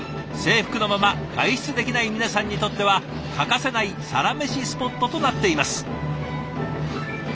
制服のまま外出できない皆さんにとっては欠かせないサラメシスポットとなっています。